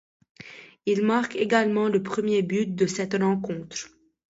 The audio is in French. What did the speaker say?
Il marque également le premier but de cette rencontre.